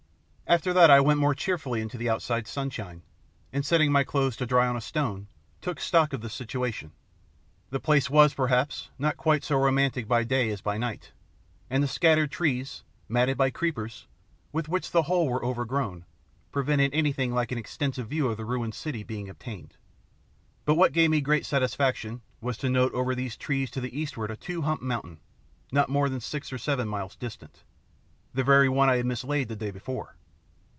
After that I went more cheerfully into the outside sunshine, and setting my clothes to dry on a stone, took stock of the situation. The place was, perhaps, not quite so romantic by day as by night, and the scattered trees, matted by creepers, with which the whole were overgrown, prevented anything like an extensive view of the ruined city being obtained. But what gave me great satisfaction was to note over these trees to the eastward a two humped mountain, not more than six or seven miles distant the very one I had mislaid the day before.